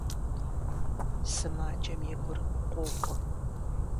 Сымаджэм и гур къокӀуэ.